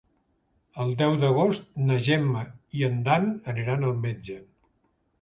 El deu d'agost na Gemma i en Dan aniran al metge.